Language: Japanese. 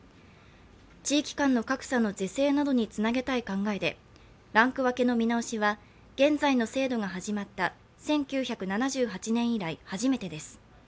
地域間の格差の是正などにつなげたい考えでランク分けの見直しは現在の制度が始まった１９７８年以来、初めてです。